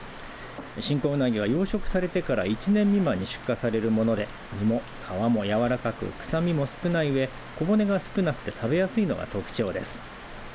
新仔うなぎは養殖されてから１年未満に出荷されるもので身も皮もやわらかく臭みも少ないうえ小骨が少なくて食べやすいのが特徴です。